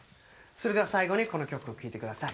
それでは最後にこの曲を聴いてください。